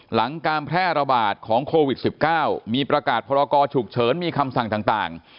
หลังการแพร่ระบาดของโควิด๑๙มีประกาศพรกรฉุกเฉินมีคำสั่งต่าง